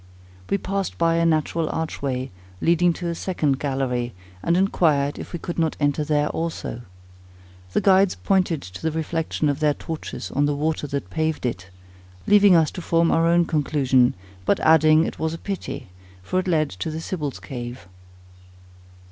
We passed by a natural archway, leading to a second gallery, and enquired, if we could not enter there also. The guides pointed to the reflection of their torches on the water that paved it, leaving us to form our own conclusion; but adding it was a pity, for it led to the Sibyl's Cave.